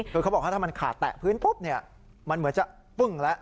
คือเขาบอกว่าถ้ามันขาดแตะพื้นปุ๊บเนี่ยมันเหมือนจะปึ้งแล้ว